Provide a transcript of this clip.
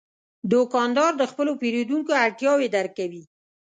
دوکاندار د خپلو پیرودونکو اړتیاوې درک کوي.